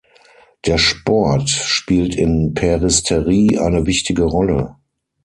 Der Sport spielt in Peristeri eine wichtige Rolle.